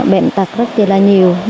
bệnh tật rất là nhiều